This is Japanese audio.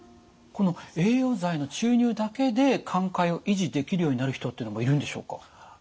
この栄養剤の注入だけで寛解を維持できるようになる人っていうのもいるんでしょうか？